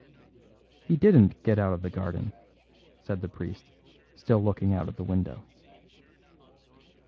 "He didn't get out of the garden," said the priest, still looking out of the window.